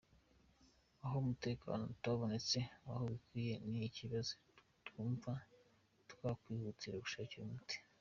Aho umutekano utabonetse uko bikwiye ni ikibazo twumva twakwihutira gushakira umuti.